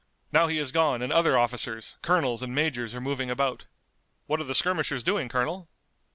Now he is gone and other officers, colonels and majors are moving about." "What are the skirmishers doing, Colonel?"